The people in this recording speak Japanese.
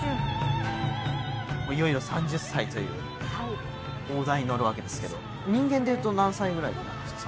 いよいよ３０歳という大台に乗るわけですけど人間でいうと何歳ぐらいなんですか？